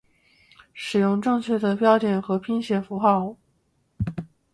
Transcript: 使用正确的拼写和标点符号